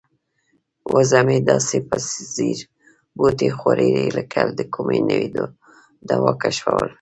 وزه مې داسې په ځیر بوټي خوري لکه د کومې نوې دوا کشفول.